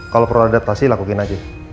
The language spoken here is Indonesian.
kalau perlu adaptasi lakukin aja